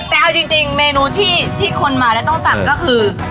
แต่เอาจริงเมนูที่คนมาแล้วต้องสั่งก็คือ